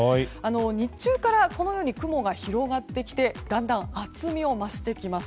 日中から雲が広がってきてだんだん厚みを増してきます。